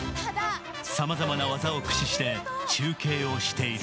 さまざまな技を駆使して中継をしている。